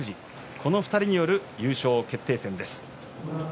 この２人による優勝決定戦です。